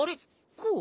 こう？